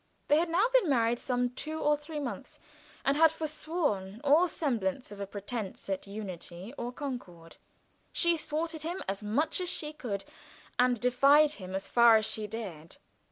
They had now been married some two or three months, and had forsworn all semblance of a pretense at unity or concord. She thwarted him as much as she could, and defied him as far as she dared.